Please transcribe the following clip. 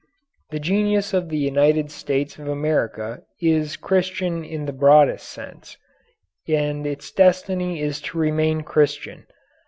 The genius of the United States of America is Christian in the broadest sense, and its destiny is to remain Christian.